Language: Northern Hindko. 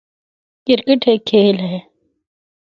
کرکٹ ہک کھیل ہے۔